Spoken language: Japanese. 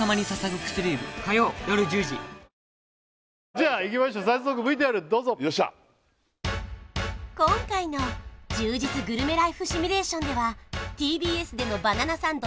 じゃあいきましょう早速ＶＴＲどうぞ今回の充実グルメライフシミュレーションではＴＢＳでの「バナナサンド」